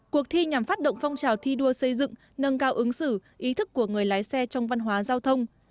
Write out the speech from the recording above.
cuộc thi nhằm phát động phong trào thi đua xây dựng nâng cao ứng xử ý thức của người lái xe trong văn hóa giao thông